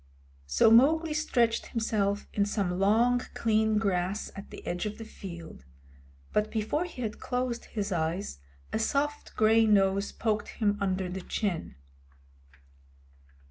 So Mowgli stretched himself in some long, clean grass at the edge of the field, but before he had closed his eyes a soft gray nose poked him under the chin.